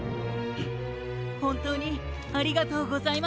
ほんとうにありがとうございます。